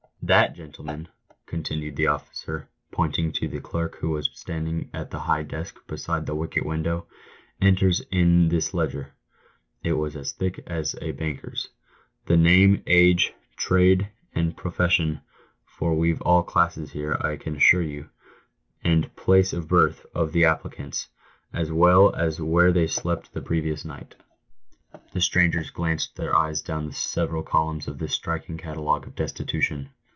That gentleman," continued the officer, pointing to the clerk who was standing at the high desk beside the wicket window, " enters in this ledger" (it was as thick as a banker's) "the name, age, trade or pro fession — for we've all classes here, I can assure you — and place of birth of the applicants, as well as where they slept the previous night." The strangers glanced their eyes down the several columns of this striking catalogue of destitution.